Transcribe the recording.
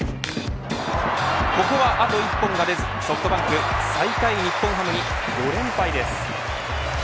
ここはあと一本が出ずソフトバンク最下位日本ハムに５連敗です。